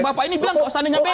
bapak ini bilang kok seandainya